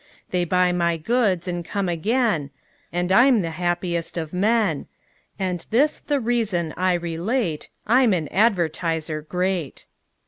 They buy my goods and come again And I'm the happiest of men; And this the reason I relate, I'm an advertiser great!